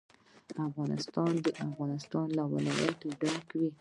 افغانستان له د افغانستان ولايتونه ډک دی.